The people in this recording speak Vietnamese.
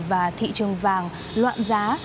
và thị trường vàng loạn giá